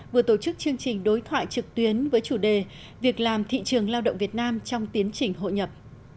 vừa tổ chức chương trình đối thoại trực tuyến với chủ đề việc làm thị trường lao động việt nam trong tiến trình hội nhập